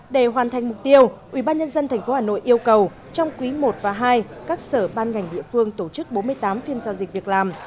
để hoàn thành mục tiêu ủy ban nhân dân tp hà nội yêu cầu trong quý i và ii các sở ban ngành địa phương tổ chức bốn mươi tám phiên giao dịch việc làm